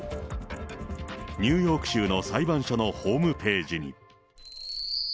ニューヨーク州の裁判所のホームページに。